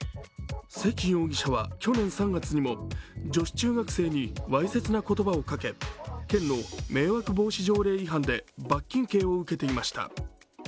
関容疑者は去年３月にも女子中学生にわいせつな言葉をか、県の迷惑防止条例違反で罰金刑を受けていました。